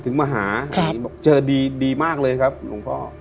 มาหาบอกเจอดีดีมากเลยครับหลวงพ่อ